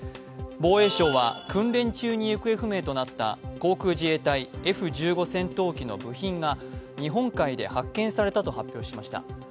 防衛省は訓練中に行方不明となった航空自衛隊Ｆ１５戦闘機の部品が日本海で発見されたと発表しました。